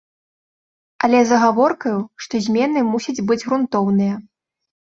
Але з агаворкаю, што змены мусяць быць грунтоўныя.